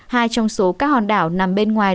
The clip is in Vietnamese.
hai trong số các hòn đảo nằm bên ngoài